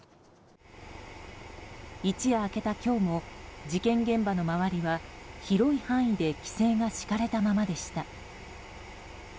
一夜明けた今日も事件現場の周りは広い範囲で規制が敷かれたままでした。